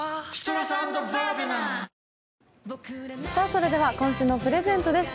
それでは今週のプレゼントです。